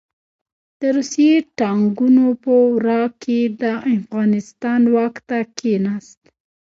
د روسي ټانګونو په ورا کې د افغانستان واک ته کښېناست.